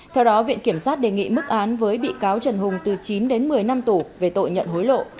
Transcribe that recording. theo đó viện kiểm sát đề nghị mức án với bị cáo trần hùng từ chín đến một mươi năm tù về tội nhận hối lộ